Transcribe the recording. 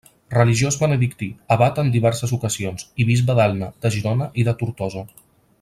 Religiós benedictí, abat en diverses ocasions, i bisbe d'Elna, de Girona i de Tortosa.